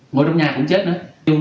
ngồi trong nhà cũng chết nữa